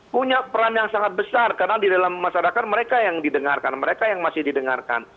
punya peran yang sangat besar karena di dalam masyarakat mereka yang didengarkan mereka yang masih didengarkan